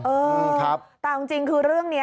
เออแต่จริงคุณเรื่องนี้